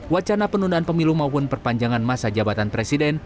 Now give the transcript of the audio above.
wacana penundaan pemilu maupun perpanjangan masa jabatan presiden